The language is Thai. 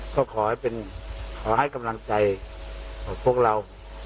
ก็ขอให้เป็นขอให้กำลังใจของพวกเรา